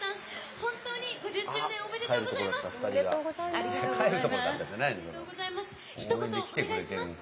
本当に５０周年おめでとうございます！